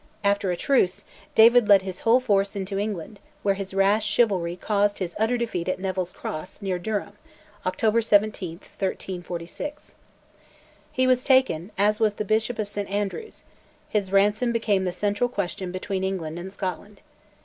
after a truce, David led his whole force into England, where his rash chivalry caused his utter defeat at Neville's Cross, near Durham (October 17, 1346). He was taken, as was the Bishop of St Andrews; his ransom became the central question between England and Scotland.